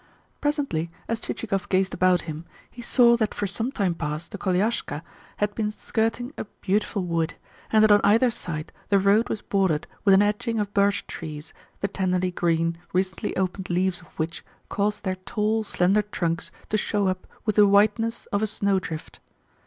Presently, as Chichikov gazed about him, he saw that for some time past the koliaska had been skirting a beautiful wood, and that on either side the road was bordered with an edging of birch trees, the tenderly green, recently opened leaves of which caused their tall, slender trunks to show up with the whiteness of a snowdrift.